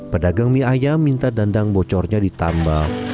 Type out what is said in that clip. pedagang mie ayam minta dandang bocornya ditambah